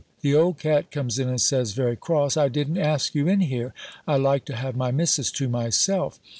The old cat comes in and says, very cross, "I didn't ask you in here, I like to have my Missis to myself!"